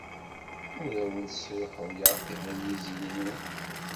Ur awen-sṛuḥuyeɣ tibalizin-nwen.